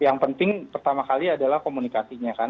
yang penting pertama kali adalah komunikasinya kan